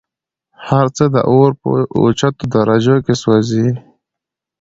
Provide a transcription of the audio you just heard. هرڅه د اور په اوچتو درجو كي سوزي